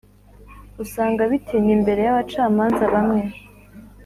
usanga bitinya imbere y’abacamanza bamwe.